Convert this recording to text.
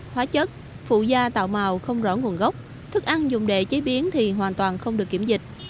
hóa chất phụ da tạo màu không rõ nguồn gốc thức ăn dùng để chế biến thì hoàn toàn không được kiểm dịch